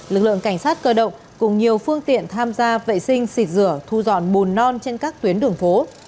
lực lượng cảnh sát cơ động cùng nhiều phương tiện tham gia vệ sinh xịt rửa thu dọn bùn non trên các tuyến đường phố